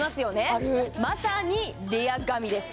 あるまさにレア髪です